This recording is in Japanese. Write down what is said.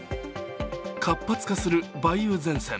活発化する梅雨前線。